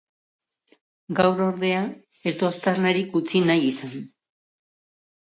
Gaur ordea, ez du aztarnarik utzi nahi izan.